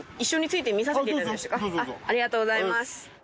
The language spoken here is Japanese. ありがとうございます。